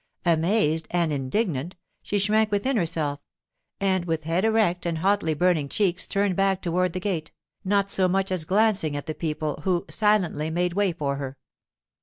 Amazed and indignant, she shrank within herself; and with head erect and hotly burning cheeks turned back toward the gate, not so much as glancing at the people, who silently made way for her.